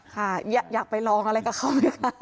ค่ะอยากไปลองอะไรกับเขาไหมคะ